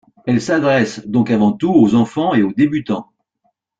Elle s'adresse donc avant tout aux enfants et aux débutants.